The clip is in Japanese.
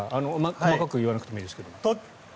細かく言わなくてもいいですけど。